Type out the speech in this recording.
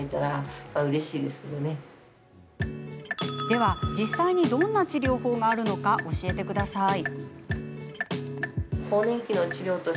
では、実際にどんな治療法があるのか教えてください。